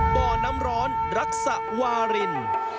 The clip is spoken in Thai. บ่อน้ำร้อนรักษะวาริน